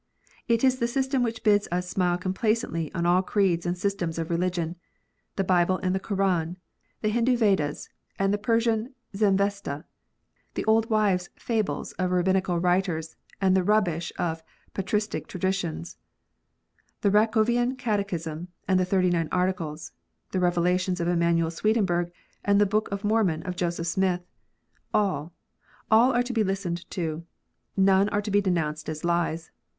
It is the system which bids us smile complacently on all creeds and systems of religion. The Bible and the Koran, the Hindoo Vedas and the Persian Zendavesta, the old wives fables of Rabbinical writers and the rubbish of Patristic tradi tions, the Racovian Catechism and the Thirty nine Articles, the revelations of Emanuel Swedenborg and the book of Mormon of Joseph Smith, all, all are to be listened to : none are to be denounced as lies.